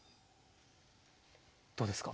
どうですか？